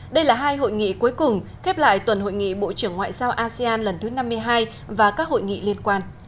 đây là hai hội nghị cuối cùng khép lại tuần hội nghị bộ trưởng ngoại giao asean lần thứ năm mươi hai và các hội nghị liên quan